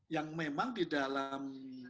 yang memang di dalam